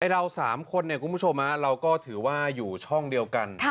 เรา๓คนคุณผู้ชมเราก็ถือว่าอยู่ช่องเดียวกัน